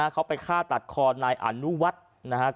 เขาไปฆ่าตัดคอนายออนุวัตรนะฮะ